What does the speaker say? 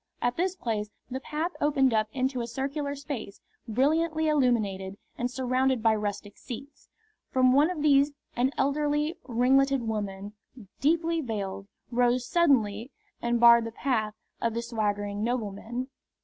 At this place the path opened up into a circular space, brilliantly illuminated and surrounded by rustic seats. From one of these an elderly, ringleted woman, deeply veiled, rose suddenly and barred the path of the swaggering nobleman.